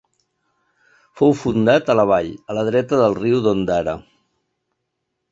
Fou fundat a la vall, a la dreta del riu d'Ondara.